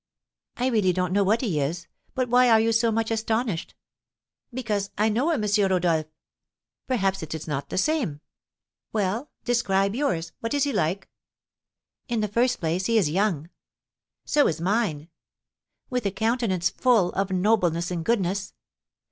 "I really don't know what he is. But why are you so much astonished?" "Because I know a M. Rodolph!" "Perhaps it is not the same." "Well, describe yours. What is he like?" "In the first place, he is young." "So is mine." "With a countenance full of nobleness and goodness."